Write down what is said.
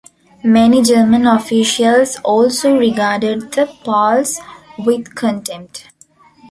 Many German officials also regarded the Poles with contempt.